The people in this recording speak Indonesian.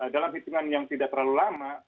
dalam hitungan yang tidak terlalu lama